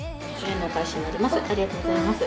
ありがとうございます。